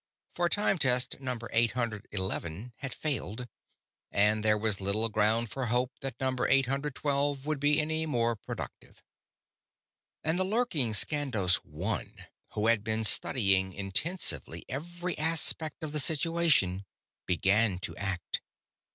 "_ _For Time Test Number Eight Hundred Eleven had failed; and there was little ground for hope that Number Eight Hundred Twelve would be any more productive._ _And the lurking Skandos One who had been studying intensively every aspect of the situation, began to act.